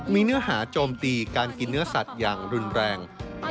มีเนื้อหาโจมตีการกินเนื้อสัตว์อย่างรุนแรง